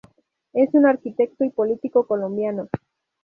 Es un arquitecto y político colombiano.